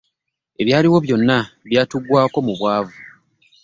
Ebyaliwo byonna byatugwako mu bwavu.